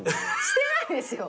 してないですよ。